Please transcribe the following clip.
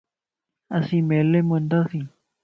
اسين ميليءَ مَ ونداسين